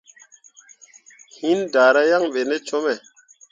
Hinni danra yaŋ ɓe te cume.